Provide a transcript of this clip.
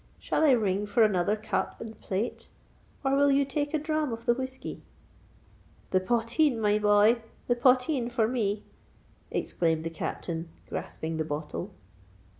shall I ring for another cup and plate? or will you take a dram of the whiskey?" "The potheen, my boy—the potheen for me!" exclaimed the Captain, grasping the bottle.